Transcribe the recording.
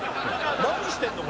「何してんの？